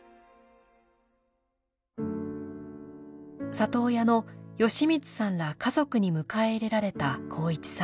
里親の美光さんら家族に迎え入れられた航一さん。